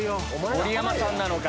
盛山さんなのか？